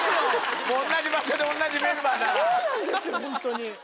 本当に。